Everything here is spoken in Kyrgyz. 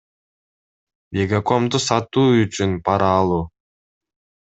Мегакомду сатуу үчүн пара алуу